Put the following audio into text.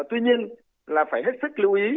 tuy nhiên là phải hết sức lưu ý